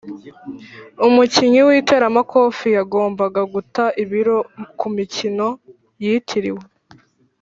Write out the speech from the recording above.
umukinnyi w'iteramakofe yagombaga guta ibiro kumikino yitiriwe.